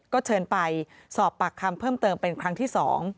ก็เชิญไปสอบปากคำเพิ่มเติมเป็นครั้งที่๒